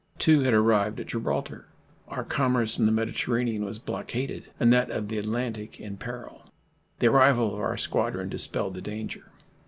Two had arrived at Gibraltar. Our commerce in the Mediterranean was blockaded and that of the Atlantic in peril. The arrival of our squadron dispelled the danger.